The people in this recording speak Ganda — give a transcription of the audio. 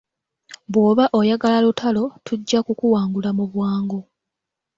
Bw'oba oyagala lutalo tujja kukuwangula mu bwangu.